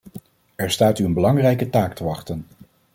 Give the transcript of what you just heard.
Er staat u een belangrijke taak te wachten.